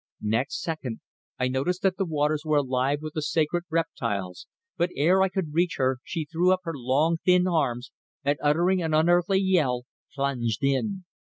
Next second I noticed that the waters were alive with the sacred reptiles, but ere I could reach her she threw up her long, thin arms, and uttering an unearthly yell, plunged in.